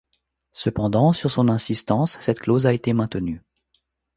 Cependant, sur son insistance, cette clause a été maintenue.